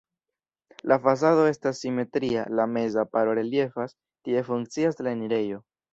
La fasado estas simetria, la meza paro reliefas, tie funkcias la enirejo.